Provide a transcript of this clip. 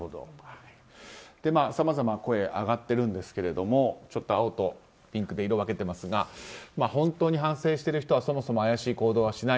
さまざま声が上がってるんですけれども青とピンクで色を分けてますが本当に反省している人はそもそも怪しい行動はしない。